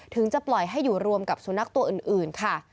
จะปล่อยให้อยู่รวมกับสุนัขตัวอื่นค่ะ